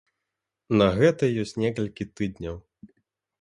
На гэта ёсць некалькі тыдняў.